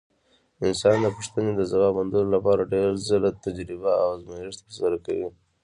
انسان د پوښتنو د ځواب موندلو لپاره ډېر ځله تجربه او ازمېښت ترسره کوي.